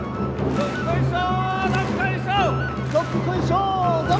どっこいしょ！